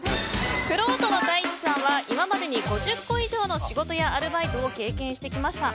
くろうとのタイチさんは今までに５０個以上の仕事やアルバイトを経験してきました。